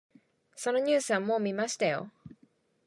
そのニュースはもう見ましたよ。